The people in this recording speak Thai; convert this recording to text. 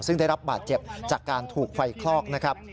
ซึ่งได้รับบาดเจ็บจากการถูกไฟคลอกนะครับ